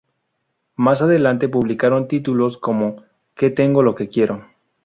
Más adelante publicaron títulos, como "Que tengo lo que quiero".